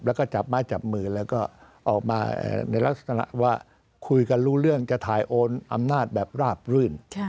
แล้วก็จับไม้จับมือแล้วก็ออกมาในลักษณะว่าคุยกันรู้เรื่องจะถ่ายโอนอำนาจแบบราบรื่น